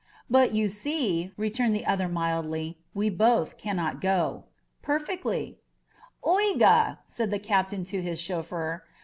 ^But you see," returned the other mildlly, ^Sve both cannot goP *Terf ectly P* ^'OigaP* said the captain to his chauffeur.